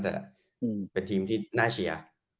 แต่เป็นทีมที่น่าเชียร์